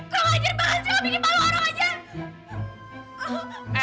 teri kau ngajar banget juga bikin malu orang aja